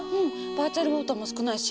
バーチャルウォーターも少ないし。